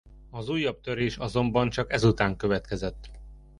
Az újabb törés azonban csak ezután következett.